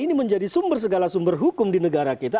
ini menjadi sumber segala sumber hukum di negara kita